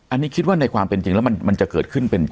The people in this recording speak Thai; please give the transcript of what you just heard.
อันนี้คิดว่าในความเป็นจริงแล้วมันจะเกิดขึ้นเป็น